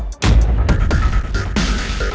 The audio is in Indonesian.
saya berusaha memperbaiki video ini